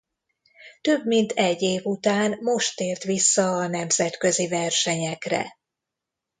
Több mint egy év után most tért vissza a nemzetközi versenyekre.